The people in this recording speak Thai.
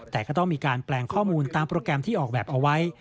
แต่ก็ต้องมีการแปลงข้อมูลตามโปรแกรมที่ออกแบบเอาไว้